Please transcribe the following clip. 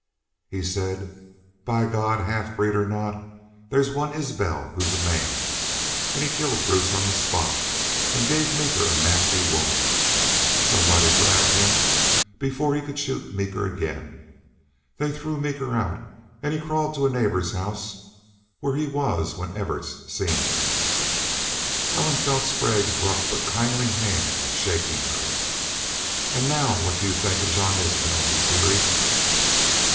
"He said, 'By God! half breed or not, there's one Isbel who's a man!' An' he killed Bruce on the spot an' gave Meeker a nasty wound. Somebody grabbed him before he could shoot Meeker again. They threw Meeker out an' he crawled to a neighbor's house, where he was when Evarts seen him." Ellen felt Sprague's rough but kindly hand shaking her. "An' now what do you think of Jean Isbel?" he queried.